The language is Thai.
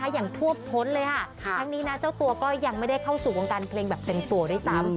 อย่างท่วมท้นเลยค่ะทั้งนี้นะเจ้าตัวก็ยังไม่ได้เข้าสู่วงการเพลงแบบเต็มตัวด้วยซ้ำ